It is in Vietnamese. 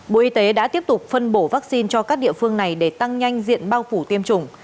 bộ y tế đã tiếp tục phân bổ vaccine cho các địa phương này để tăng nhanh diện bao phủ tiêm chủng